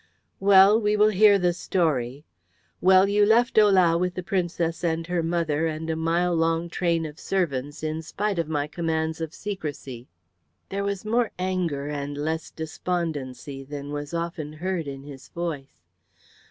"Well, we will hear the story. Well, you left Ohlau with the Princess and her mother and a mile long train of servants in spite of my commands of secrecy." There was more anger and less despondency than was often heard in his voice.